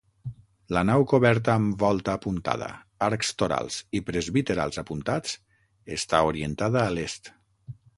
La nau coberta amb volta apuntada, arcs torals i presbiterals apuntats està orientada a l'est.